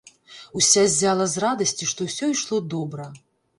Уся ззяла з радасці, што ўсё ішло добра.